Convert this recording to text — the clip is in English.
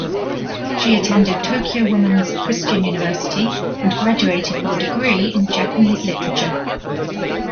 She attended Tokyo Woman's Christian University and graduated with a degree in Japanese literature.